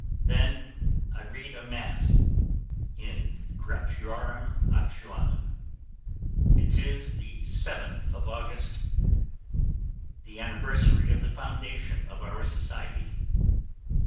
Then I read a Mass in gratiarum actionem, it is the 7th of August, the anniversary of the foundation of our society.